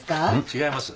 違います。